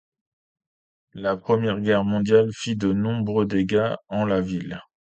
La Première Guerre mondiale fit de nombreux dégâts en la ville.